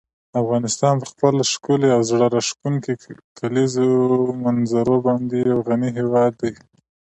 افغانستان په خپله ښکلې او زړه راښکونکې کلیزو منظره باندې یو غني هېواد دی.